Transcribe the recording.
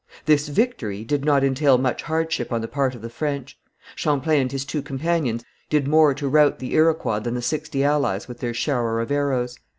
This victory did not entail much hardship on the part of the French. Champlain and his two companions did more to rout the Iroquois than the sixty allies with their shower of arrows.